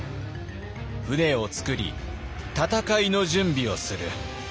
船を造り戦いの準備をする」。